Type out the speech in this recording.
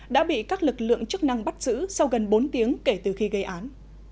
đã bị các lực lượng chức năng bắt giữ sau gần bốn tiếng kể từ khi gây án